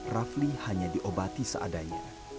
rafli hanya diobati seadanya